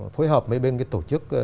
phối hợp mấy bên tổ chức